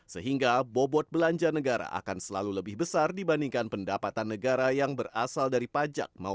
sehingga bobot belanja negara akan selalu lebih besar dibandingkan pendapatan negara yang berasal dari pajak